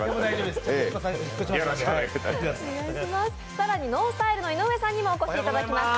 更にＮＯＮＳＴＹＬＥの井上さんにもお越しいただきました。